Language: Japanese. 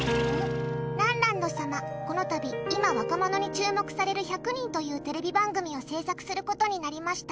ランランド様、このたび「今若者に注目される１００人」というテレビ番組を制作することになりました。